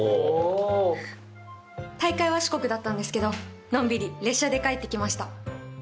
大会は四国だったんですけどのんびり列車で帰って来ました。